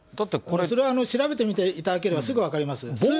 それは調べてみていただければすぐ分かります。